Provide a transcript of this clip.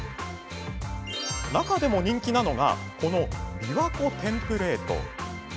中でも人気なのがこのびわこテンプレート。